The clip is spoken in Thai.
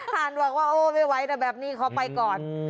ผ่านบอกว่าโอ้ไม่ไหวแต่แบบนี้ขอไปก่อน